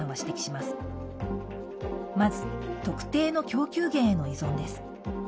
まず、特定の供給源への依存です。